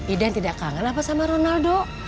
idan tidak kangen apa sama ronaldo